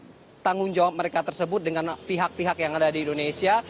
mereka akan menembus tanggung jawab mereka tersebut dengan pihak pihak yang tersebut di indonesia